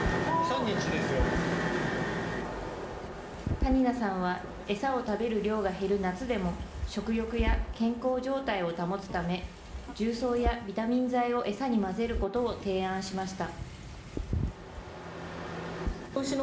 谷名さんは餌を食べる量が減る夏でも、食欲や健康状態を保つため、重曹やビタミン剤を餌に混ぜることを提案しました。